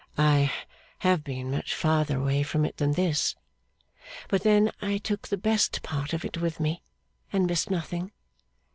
'I have been much farther away from it than this; but then I took the best part of it with me, and missed nothing.